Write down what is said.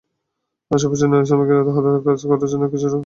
আশপাশের নারী শ্রমিকেরা হাতের কাজ করার জন্য কিছু টুপি বাসায় নিয়ে যান।